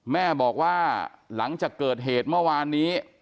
แม่บอกว่าหลังจากเกิดเหตุเมื่อวานนี้